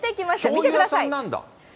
見てください。